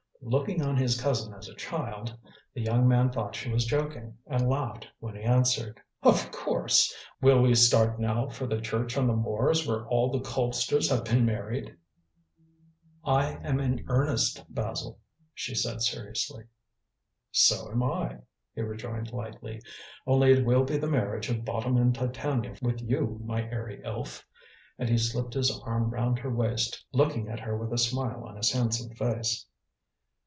Looking on his cousin as a child, the young man thought that she was joking, and laughed when he answered: "Of course. Will we start now for the church on the moors where all the Colpsters have been married?" "I am in earnest, Basil," she said seriously. "So am I," he rejoined lightly, "only it will be the marriage of Bottom and Titania with you, my airy elf," and he slipped his arm round her waist, looking at her with a smile on his handsome face.